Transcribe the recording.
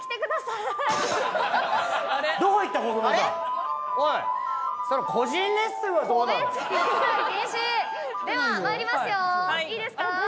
いいですか？